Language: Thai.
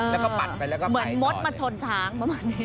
แล้วก็ปัดไปแล้วก็ไปต่อเลย